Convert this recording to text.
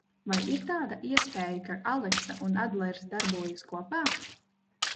Vai ir tāda iespēja, ka Aleksa un Adlers darbojas kopā?